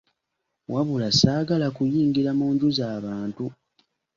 wabula saagala kuyingira mu nju za bantu.